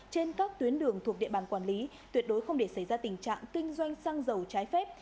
trên các tuyến đường thuộc địa bàn quản lý tuyệt đối không để xảy ra tình trạng kinh doanh xăng dầu trái phép